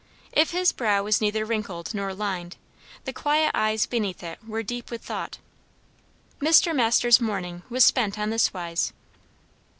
If his brow was neither wrinkled nor lined, the quiet eyes beneath it were deep with thought. Mr. Masters' morning was spent on this wise.